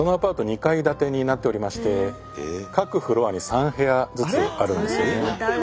２階建てになっておりまして各フロアに３部屋ずつあるんですよね。